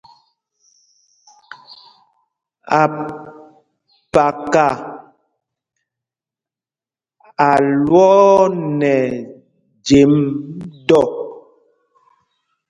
́Ápaka a lwɔɔ nɛ ɛjem dɔ.